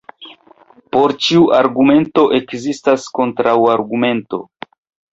Por ĉiu argumento ekzistas kontraŭargumento.